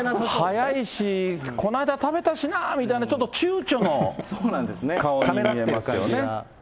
早いし、この間、食べたしなみたいな、ちょっとちゅうちょのためらってますよね。